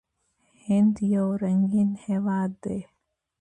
هند یو رنګین هیواد دی.